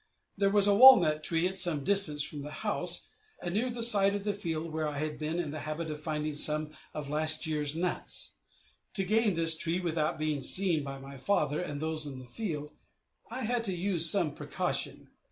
There was a walnut tree at some distance from the house, and near the side of the field where I had been in the habit of finding some of last year's nuts. To gain this tree without being seen by my father and those in the field, I had to use some precaution.